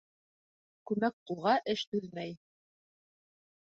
Күмәк ҡулға эш түҙмәй.